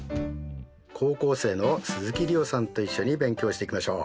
高校生の鈴木梨予さんと一緒に勉強していきましょう。